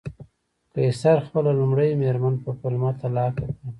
قیصر خپله لومړۍ مېرمن په پلمه طلاق کړه